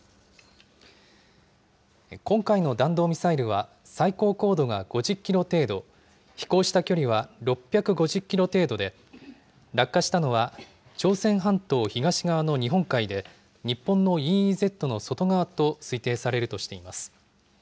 今回の弾道ミサイルは、最高高度が５０キロ程度、飛行した距離は６５０キロ程度で、落下したのは朝鮮半島東側の日本海で、日本のＥＥＺの外側と推定されるとしています。